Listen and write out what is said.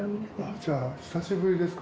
じゃあ久しぶりですか。